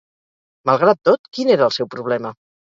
Malgrat tot, quin era el seu problema?